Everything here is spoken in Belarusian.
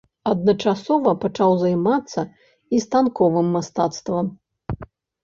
Адначасова пачаў займацца і станковым мастацтвам.